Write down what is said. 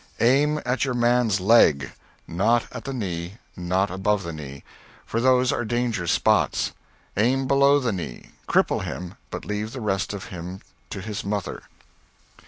Aim at your man's leg; not at the knee, not above the knee; for those are dangerous spots. Aim below the knee; cripple him, but leave the rest of him to his mother."